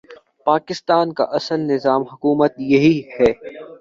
پاکستان کا اصل نظام حکومت یہی ہے۔